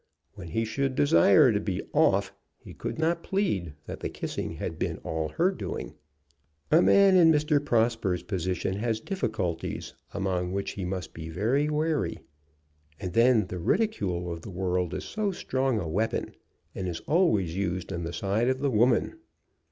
When he should desire to be "off," he could not plead that the kissing had been all her doing. A man in Mr. Prosper's position has difficulties among which he must be very wary. And then the ridicule of the world is so strong a weapon, and is always used on the side of the women!